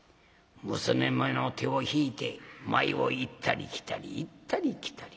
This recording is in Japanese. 娘の手を引いて前を行ったり来たり行ったり来たり。